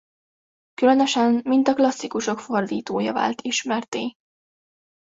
Különösen mint a klasszikusok fordítója vált ismertté.